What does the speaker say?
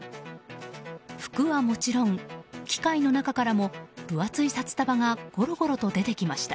服はもちろん、機械の中からも分厚い札束がゴロゴロと出てきました。